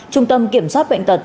trung tâm kiểm soát bệnh tật